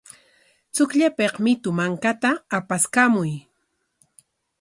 Chukllapik mitu mankata apaskamuy.